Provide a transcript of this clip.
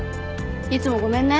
いつもごめんね。